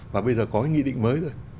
và bây giờ có cái nghị định mới rồi